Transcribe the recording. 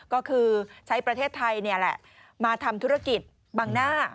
ก็คือใช้ประเทศไทยมาทำธุรกิจบังหน้า